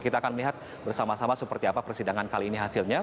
kita akan melihat bersama sama seperti apa persidangan kali ini hasilnya